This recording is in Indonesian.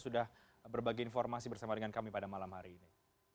sudah berbagi informasi bersama dengan kami pada malam hari ini